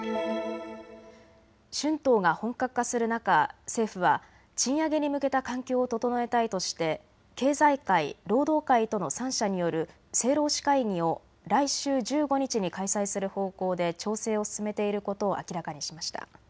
春闘が本格化する中、政府は賃上げに向けた環境を整えたいとして経済界、労働界との３者による政労使会議を来週１５日に開催する方向で調整を進めていることを明らかにしました。